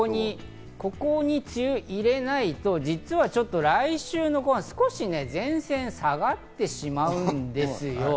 ここに梅雨を入れないと、実は来週、少し前線が下がってしまうんです。